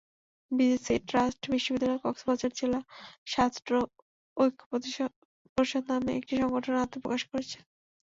BGC trust বিশ্ববিদ্যালয়ে কক্সবাজার জেলা ছাত্র ঐক্য পরিষদ নামে একটি সংগঠন আত্মপ্রকাশ করেছে।